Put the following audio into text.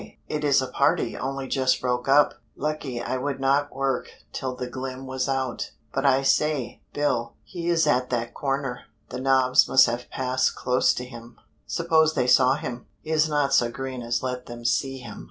it is a party only just broke up. Lucky I would not work till the glim was out." "But I say, Bill he is at that corner the nobs must have passed close to him suppose they saw him." "He is not so green as let them see him."